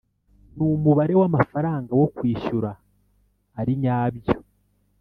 n umubare w amafaranga wo kwishyura ari nyabyo